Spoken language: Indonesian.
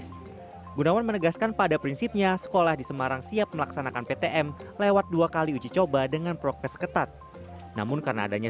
sehingga guru dan siswa tinggal mengulangnya